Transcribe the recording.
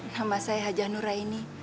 nama saya hajah nuraini